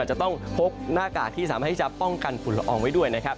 จะต้องพกหน้ากากที่สามารถที่จะป้องกันฝุ่นละอองไว้ด้วยนะครับ